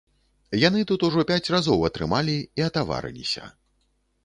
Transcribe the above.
Яны тут ужо пяць разоў атрымалі і атаварыліся.